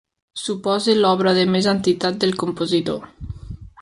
Suposa l’obra de més entitat del compositor.